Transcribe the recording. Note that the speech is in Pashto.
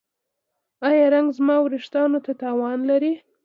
ایا رنګ زما ویښتو ته تاوان لري؟